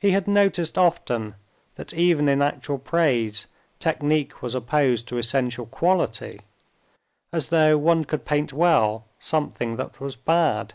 He had noticed often that even in actual praise technique was opposed to essential quality, as though one could paint well something that was bad.